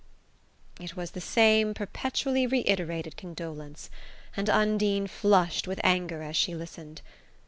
It was the same perpetually reiterated condolence; and Undine flushed with anger as she listened.